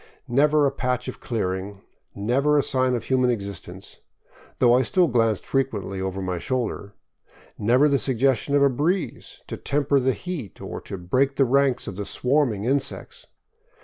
Never a patch of clearing, never a sign of human existence — though I still glanced frequently over my shoulder — never the suggestion of a breeze to temper the heat or to break the ranks of the swarming insects!